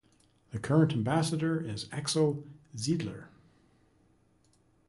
The current Ambassador is Axel Zeidler.